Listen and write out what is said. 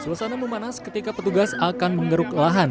suasana memanas ketika petugas akan mengeruk lahan